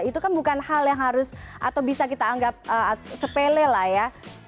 itu kan bukan hal yang harus atau bisa kita anggap sepele lah ya